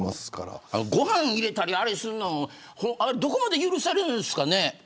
ご飯を入れたりするのもどこまで許されるんですかね。